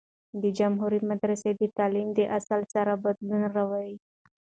د جمهوری مدرسه د تعلیم د اصل سره بدلون راووي.